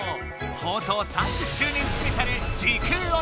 放送３０周年スペシャル「時空鬼」。